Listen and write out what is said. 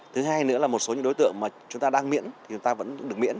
thứ hai nữa là một số đối tượng mà chúng ta đang miễn chúng ta vẫn được miễn